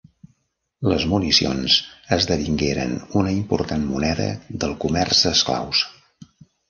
Les municions esdevingueren una important moneda del comerç d'esclaus.